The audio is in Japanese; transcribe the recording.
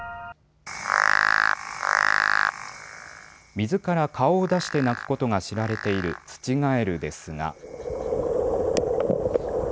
水から顔を出して鳴くことが知られているツチガエルですが。